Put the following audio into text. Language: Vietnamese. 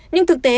nhưng thực tế